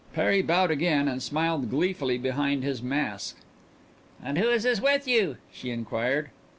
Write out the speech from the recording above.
Perry bowed again and smiled gleefully behind his mask. "And who is this with you?" she inquired.